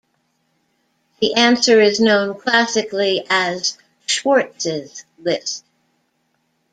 The answer is known classically as Schwarz's list.